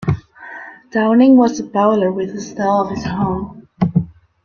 Downing was a bowler with a style of his own.